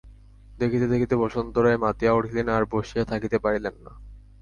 দেখিতে দেখিতে বসন্ত রায় মাতিয়া উঠিলেন আর বসিয়া থাকিতে পারিলেন না।